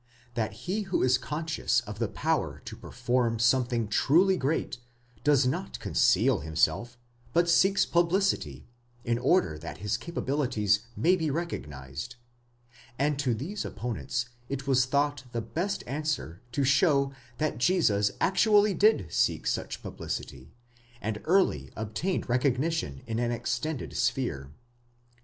3, 4), that he who is conscious of the power to perform something truly great, does not conceal himself, but seeks publicity, in order that his capabilities may be recognized ; and to these opponents it was thought the best answer to show that Jesus actually did seek such publicity, and early obtained recognition in an: extended sphere.